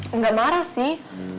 enggak marah sih